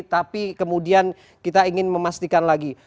tapi kemudian kita ingin memastikan lagi